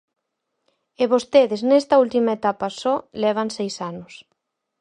E vostedes, nesta última etapa só, levan seis anos.